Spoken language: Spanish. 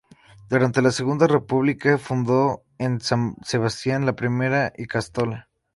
Durante la Segunda República fundó en San sebastián la primera ikastola.